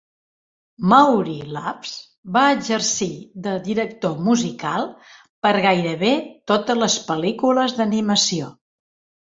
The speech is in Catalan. Maury Laws va exercir de director musical per a gairebé totes les pel·lícules d'animació.